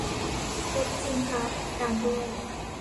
เว็บจริงครับ ดังด้วย